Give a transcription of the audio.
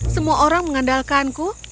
semua orang mengandalkanku